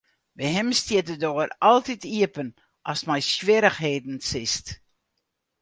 By him stiet de doar altyd iepen ast mei swierrichheden sitst.